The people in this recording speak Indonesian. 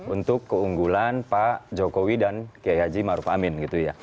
untuk keunggulan pak jokowi dan kiai haji maruf amin gitu ya